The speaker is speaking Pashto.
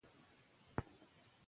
رضا پهلوي دریځ ټینګ کړی دی.